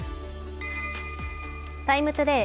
「ＴＩＭＥ，ＴＯＤＡＹ」